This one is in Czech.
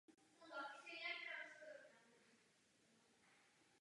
V průběhu kampaně bylo vypleněno město Le Mans.